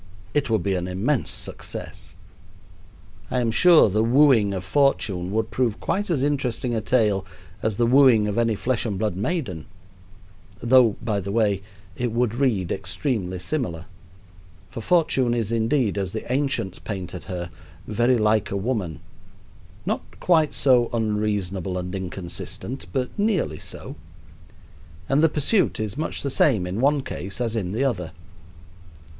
It would be an immense success. I am sure the wooing of Fortune would prove quite as interesting a tale as the wooing of any flesh and blood maiden, though, by the way, it would read extremely similar; for Fortune is, indeed, as the ancients painted her, very like a woman not quite so unreasonable and inconsistent, but nearly so and the pursuit is much the same in one case as in the other.